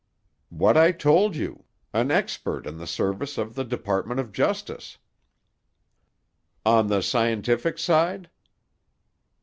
"What I told you, an expert in the service of the Department of Justice." "On the scientific side?"